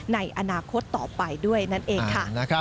ในอนาคตต่อไปด้วยนั่นเองค่ะ